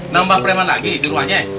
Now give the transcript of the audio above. nambah preman lagi di rumahnya